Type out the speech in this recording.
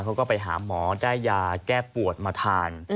เขาก็ไปหาหมอได้ยาแก้ปวดมาทาน